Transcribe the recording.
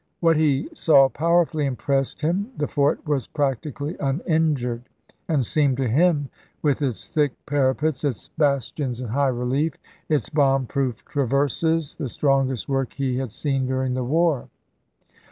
What he saw powerfully impressed him ; the fort was practically uninjured, and seemed to him, with its thick parapets, its bas tions in high relief, its bomb proof traverses, the strongest work he had seen during the war.